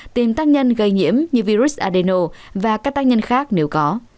tìm tác nhân gây nhiễm như virus adeno và các tác nhân khác nếu có